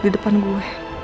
di depan gue